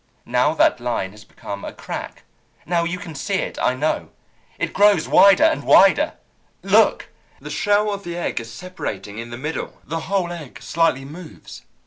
Now that line has become a crack. Now you can see it, I know. It grows wider and wider! Look! The shell of the egg is separating in the middle. The whole egg slightly moves.